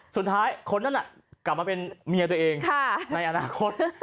สุดท้ายคนนั้นกลับมาเป็นเมียตัวเองในอนาคต